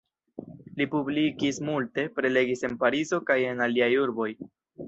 Li publikis multe, prelegis en Parizo kaj en aliaj urboj.